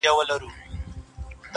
• ستړى په گډا سومه ،چي، ستا سومه.